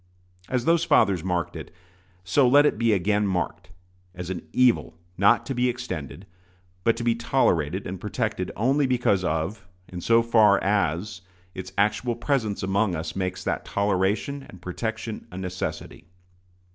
As those fathers marked it, so let it be again marked, as an evil not to be extended, but to be tolerated and protected only because of and so far as its actual presence among us makes that toleration and protection a necessity.